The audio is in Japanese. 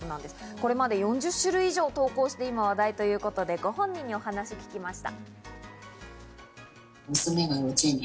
これまで４０種類以上、投稿して今話題ということで、ご本人のお話を聞きました。